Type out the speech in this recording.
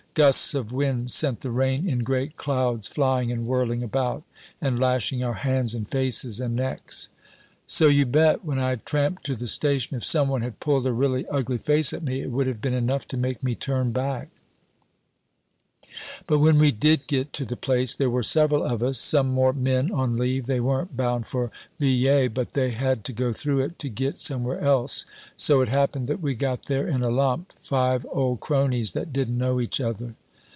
Gusts of wind sent the rain in great clouds flying and whirling about, and lashing our hands and faces and necks. "So you bet, when I had tramped to the station, if some one had pulled a really ugly face at me, it would have been enough to make me turn back. "But when we did get to the place, there were several of us some more men on leave they weren't bound for Villers, but they had to go through it to get somewhere else. So it happened that we got there in a lump five old cronies that didn't know each other.